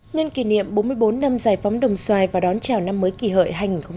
nhân kỷ niệm bốn mươi bốn năm giải phóng đồng xoài và đón chào năm mới kỳ hợi hai nghìn một mươi chín